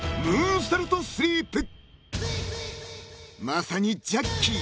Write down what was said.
［まさにジャッキー！